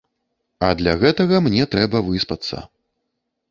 А для гэтага мне трэба выспацца.